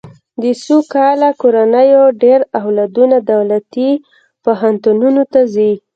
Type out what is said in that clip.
د سوکاله کورنیو ډېر اولادونه دولتي پوهنتونونو ته ځي.